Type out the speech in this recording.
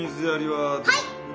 はい！